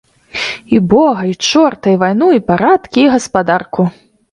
І бога, і чорта, і вайну, і парадкі, і гаспадарку.